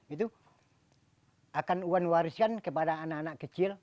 itu akan wan warisan kepada anak anak kecil